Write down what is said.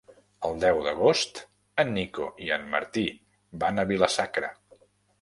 El deu d'agost en Nico i en Martí van a Vila-sacra.